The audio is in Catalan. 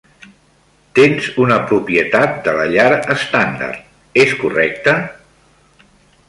Tens una propietat de la llar estàndard, és correcte?